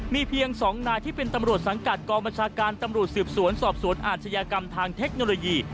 มีเพียง๒นายที่เป็นตำรวจสังกัดกองบัญชาการตำรวจสืบสวนสอบสวนอาชญากรรมทางเทคโนโลยี